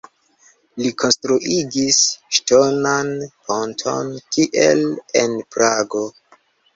Li konstruigis ŝtonan ponton kiel en Prago.